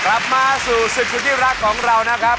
กลับมาสู่ศึกสุดที่รักของเรานะครับ